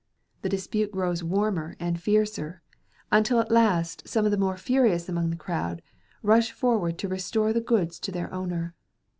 The dispute grows warmer and fiercer, until at last some of the more furious among the crowd, rush forward to restore the goods to their owner.